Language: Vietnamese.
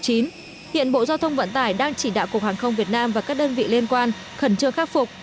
hiện bộ giao thông vận tải đang chỉ đạo cục hàng không việt nam và các đơn vị liên quan khẩn trương khắc phục